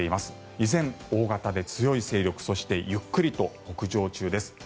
依然、大型で強い勢力そしてゆっくりと北上中です。